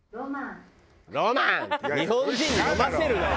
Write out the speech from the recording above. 日本人に読ませるなよ！